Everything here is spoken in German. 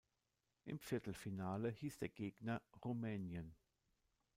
Im Viertelfinale hieß der Gegner Rumänien.